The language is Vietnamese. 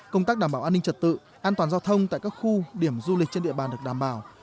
công tác đảm bảo an ninh trật tự an toàn giao thông tại các khu điểm du lịch trên địa bàn được đảm bảo